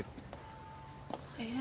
ええ？